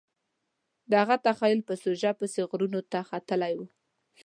د هغه تخیل په سوژو پسې غرونو ته ختلی و